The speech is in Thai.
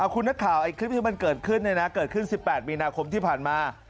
คุณนักข่าวคลิปที่เกิดขึ้น๑๘มีนาคมที่ผ่านมา